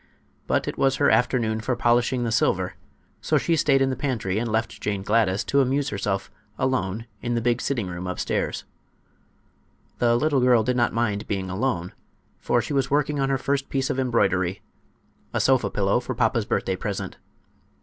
But it was her afternoon for polishing the silver, so she stayed in the pantry and left Jane Gladys to amuse herself alone in the big sitting room upstairs. The little girl did not mind being alone, for she was working on her first piece of embroidery—a sofa pillow for papa's birthday present.